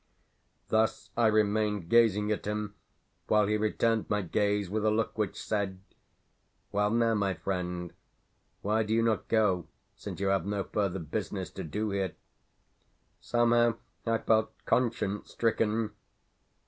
Thus I remained gazing at him while he returned my gaze with a look which said, "Well now, my friend? Why do you not go since you have no further business to do here?" Somehow I felt conscience stricken.